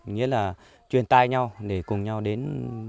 nghĩa là truyền tai nhau để cùng nhau đến